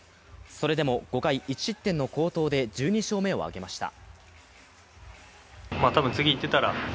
それでも５回１失点の好投で１２勝目を挙げました。